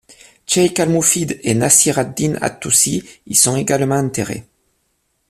Cheikh Al-Moufid et Nasir ad-Din at-Tusi y sont également enterrés.